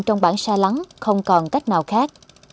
trong bãn xa lắng không còn cách nào khác